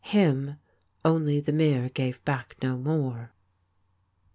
Him only the mirror gave back no more.